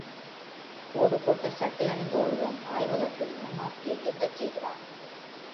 கோடு போட்ட சட்டை அணிந்த ஒருவன், ஆய்வகத்தில் நுண்ணோக்கியை இயங்கச் செய்கிறான்.